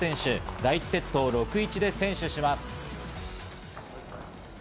第１セットを６‐１で先取します。